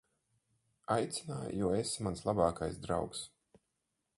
Aicināju, jo esi mans labākais draugs.